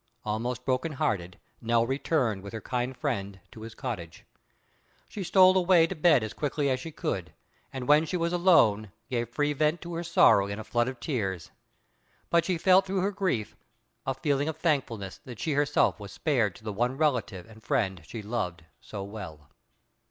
Almost broken hearted, Nell returned with her kind friend to his cottage. She stole away to bed as quickly as she could, and when she was alone gave free vent to her sorrow in a flood of tears. But she felt through her grief a feeling of thankfulness that she herself was spared to the one relative and friend she loved so well.